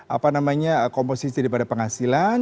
apa namanya komposisi daripada penghasilan